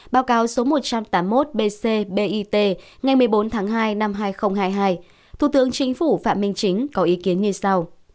báo cáo số một trăm tám mươi một bc bit ngày một mươi bốn tháng hai năm hai nghìn hai mươi hai thủ tướng chính phủ phạm minh chính có ý kiến như sau